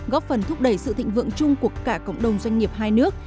góp phần thúc đẩy sự thịnh vượng chung của cả cộng đồng doanh nghiệp hai nước